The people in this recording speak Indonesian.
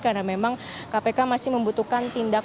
karena memang kpk masih membutuhkan tindakan